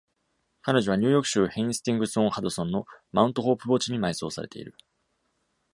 彼女は、ニューヨーク州ヘイスティングス・オン・ハドソンのマウント・ホープ墓地に埋葬されている。